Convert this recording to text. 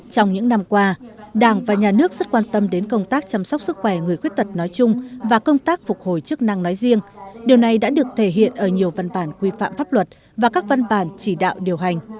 trong những năm qua đảng và nhà nước rất quan tâm đến công tác chăm sóc sức khỏe người khuyết tật nói chung và công tác phục hồi chức năng nói riêng điều này đã được thể hiện ở nhiều văn bản quy phạm pháp luật và các văn bản chỉ đạo điều hành